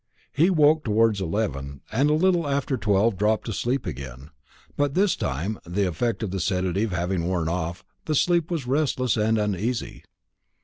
He woke towards eleven, and a little after twelve dropped asleep again; but this time, the effect of the sedative having worn off, the sleep was restless and uneasy.